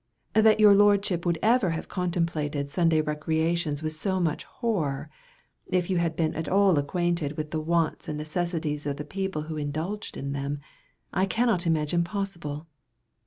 That your Lordship would ever have contemplated Sunday recreations with so much horror, if you had been at all acquainted with the wants and necessities of the people who indulged in them, I cannot imagine possible.